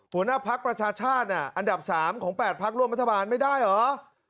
หัวหน้าภักดิ์ประชาชาติอันดับ๓ของ๘พักร่วมรัฐบาลไม่ได้เหรอ